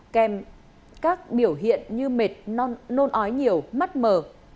kèm các biểu hiện như mệt non nôn ói nhiều mắt mờ